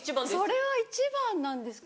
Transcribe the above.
それは１番なんですかね？